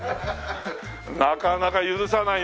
なかなか許さないね。